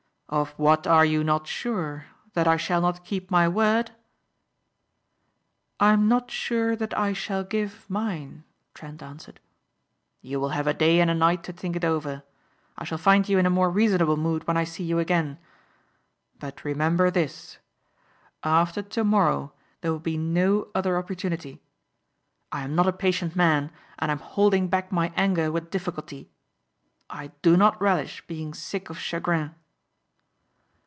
"Of what are you not sure? That I shall not keep my word?" "I'm not sure that I shall give mine," Trent answered. "You will have a day and a night to think it over. I shall find you in a more reasonable mood when I see you again. But remember this. After tomorrow there will be no other opportunity. I am not a patient man and I am holding back my anger with difficulty. I do not relish being sick of chagrin."